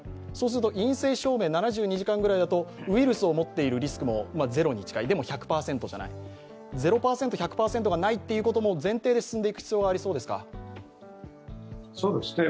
陰性証明、７２時間くらいだとウイルスを持っているリスクもゼロに近い、でも１００％じゃない、０％、１００％ないというのを前提で進んでいく必要はありそうですか？